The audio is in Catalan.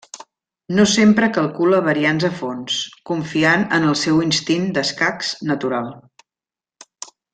No sempre calcula variants a fons, confiant en el seu instint d'escacs natural.